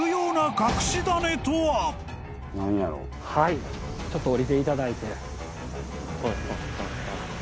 はいちょっとおりていただいて。